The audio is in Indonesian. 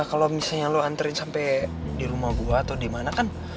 kalau misalnya lo anterin sampai di rumah gue atau di mana kan